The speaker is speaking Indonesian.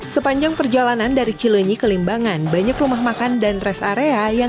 sepanjang perjalanan dari cilenyi ke limbangan banyak rumah makan dan rest area yang